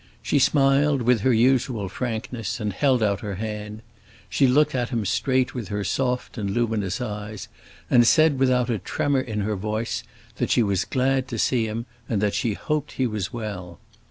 She smiled with her usual frankness, and held out her hand; she looked at him straight with her soft and luminous eyes, and said, without a tremor in her voice, that she was glad to see him and that she hoped he was well.